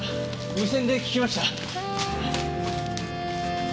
無線で聞きました。